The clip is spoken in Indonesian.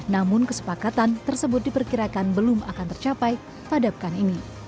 namun kesepakatan tersebut diperkirakan belum akan tercapai pada pekan ini